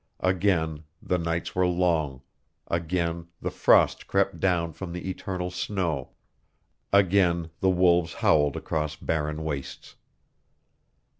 Again the nights were long, again the frost crept down from the eternal snow, again the wolves howled across barren wastes.